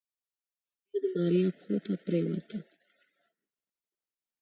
سپي د ماريا پښو ته پرېوت.